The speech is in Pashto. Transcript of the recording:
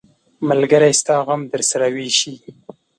ملګری ستا غم درسره ویشي.